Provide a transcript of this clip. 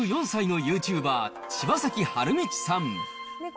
７４歳のユーチューバー、柴崎春通さん。